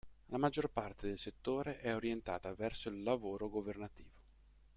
La maggior parte del settore è orientata verso il lavoro governativo.